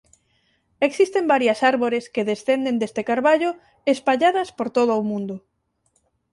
Existen varias árbores que descenden deste carballo espalladas por todo o mundo.